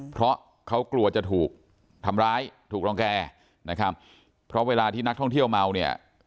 เพราะเขากลัวจะถูกทำร้ายถูกรองแก่นะครับเพราะเวลาที่นักท่องเที่ยวเมาเนี่ย